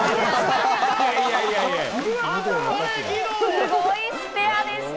すごいスペアでした。